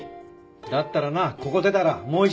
だったらなここ出たらもう一度行ってみろ。